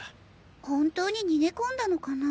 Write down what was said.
本当に逃げ込んだのかな？